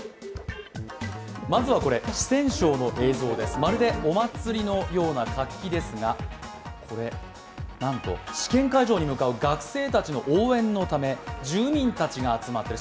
まずはこれ、四川省の映像ですまるでお祭りのような活気ですが、これ、なんと試験会場に向かう学生たちの応援のため住民たちが集まっている。